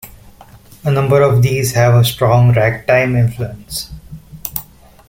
A number of these have a strong ragtime influence.